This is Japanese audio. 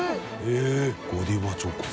えぇゴディバチョコ。